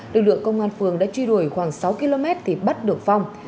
lực lượng công an phường đã truy đuổi khoảng sáu km thì bắt được phong